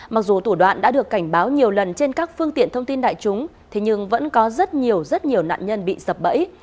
mặc dù tủ đoạn đã được cảnh báo nhiều lần trên các phương tiện thông tin đại chúng nhưng vẫn có rất nhiều nạn nhân bị sập bẫy